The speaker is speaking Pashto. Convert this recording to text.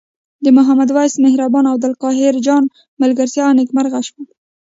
د محمد وېس مهربان او عبدالقاهر جان ملګرتیا نیکمرغه شوه.